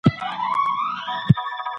دا حالت په نارینهوو کې لږ څرګندیږي.